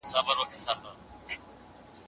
شاګرد د علمي پرمختګ لپاره ډېره هڅه کوي.